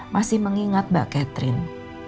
masih mengingat mbak catherine